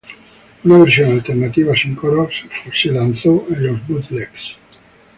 Una versión alternativa sin coros fue lanzada en los bootlegs.